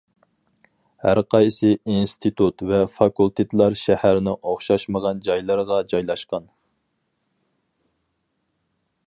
ھەرقايسى ئىنستىتۇت ۋە فاكۇلتېتلار شەھەرنىڭ ئوخشاشمىغان جايلىرىغا جايلاشقان.